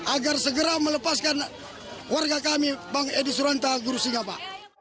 agar segera melepaskan warga kami bang edi suranta guru singap